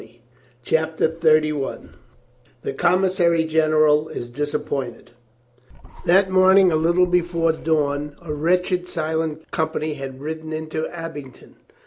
T CHAPTER THIRTY ONE THE COMMISSARY GENERAL IS DISAPPOINTED HAT morning a little before dawn a ■ wretched, silent company had ridden into Abingdon.